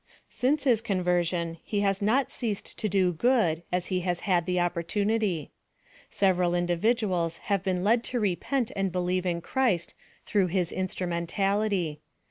Since his conversion he has not ceased to do good as he has had opportunity. Several individuals have been led to repent and be lieve in Christ through his instrumentality.